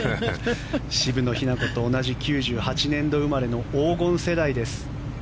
渋野日向子と同じ９８年度生まれの黄金世代です。